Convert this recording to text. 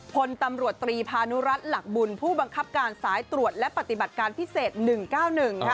พลตำรวจตรีพานุรัติหลักบุญผู้บังคับการสายตรวจและปฏิบัติการพิเศษ๑๙๑ค่ะ